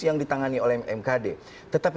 yang ditangani oleh mkd tetapi